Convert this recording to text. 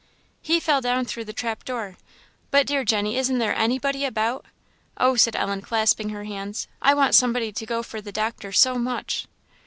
"He fell down through the trap door. But, dear Jenny, isn't there anybody about? Oh," said Ellen, clasping her hands "I want somebody to go for the doctor so much!"